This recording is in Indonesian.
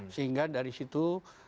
sehingga dari situ